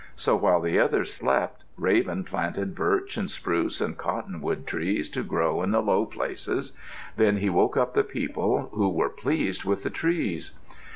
So, while the others slept, Raven planted birch and spruce and cottonwood trees to grow in the low places. Then he woke up the people, who were pleased with the trees.